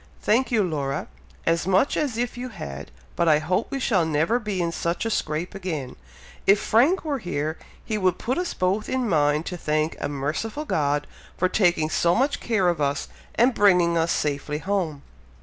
"Thank you, Laura, as much as if you had, but I hope we shall never be in such a scrape again! If Frank were here, he would put us both in mind to thank a merciful God for taking so much care of us, and bringing us safely home!"